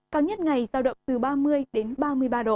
cao nhất ngày giao động từ ba mươi đến ba mươi ba độ